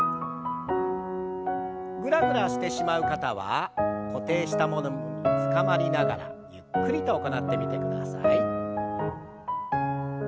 ぐらぐらしてしまう方は固定したものにつかまりながらゆっくりと行ってみてください。